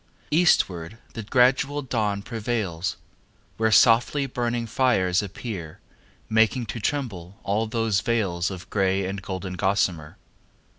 Eastward the gradual dawn prevails Where softly burning fires appear, Making to tremble all those veils Of grey and golden gossamer.